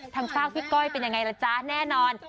ทางซากพี่ก้อยเป็นยังไงล่ะจ๊ะแน่นอน